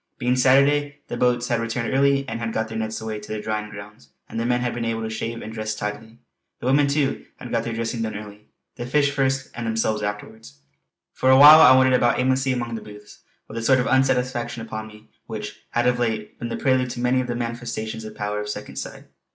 Being Saturday the boats had returned early and had got their nets away to the drying grounds, and the men had been able to shave and dress tidily. The women, too, had got their dressing done early the fish first and themselves afterwards. For awhile I wandered about aimlessly amongst the booths, with that sort of unsatisfaction upon me which had of late been the prelude to many of the manifestations of the power of Second Sight.